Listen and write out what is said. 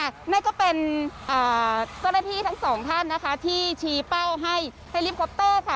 นั่นก็เป็นเจ้าหน้าที่ทั้งสองท่านนะคะที่ชี้เป้าให้เฮลิคอปเตอร์ค่ะ